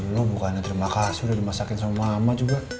lo bukannya terima kasih udah dimasakin sama mama juga